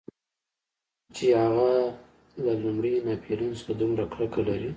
چې هغه له لومړي ناپلیون څخه دومره کرکه لري.